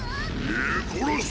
殺す！